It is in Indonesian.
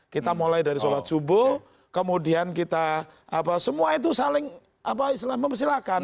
kita mulai dari sholat subuh kemudian kita apa semua itu saling mempersilahkan